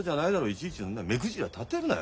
いちいち目くじら立てんなよ。